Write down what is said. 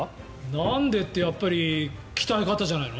なんでって、やっぱり鍛え方じゃないの？